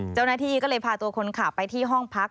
เจ้าหน้าที่ก็เลยพาตัวคนขับไปที่ห้องพัก